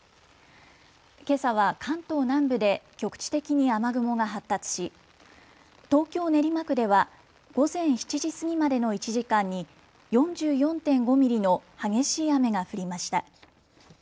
けさは関東南部で局地的に雨雲が発達し、東京練馬区では午前７時過ぎまでの１時間に４４．５ミリの激しい雨が降りました。